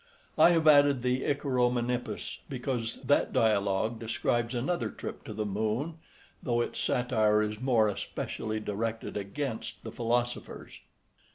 I have added the Icaro Menippus, because that Dialogue describes another trip to the moon, though its satire is more especially directed against the philosophers.